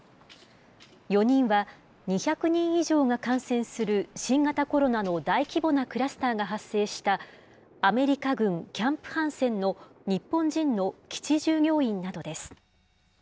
４人は、２００人以上が感染する新型コロナの大規模なクラスターが発生した、アメリカ軍キャンプ・ハンセンの日本人の基地従業員などです。